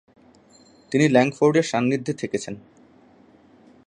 তিনি ল্যাংফোর্ডের সান্নিধ্যে থেকেছেন।